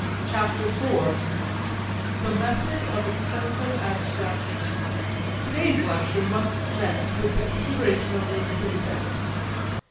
CHAPTER IV THE METHOD OF EXTENSIVE ABSTRACTION To day's lecture must commence with the consideration of limited events.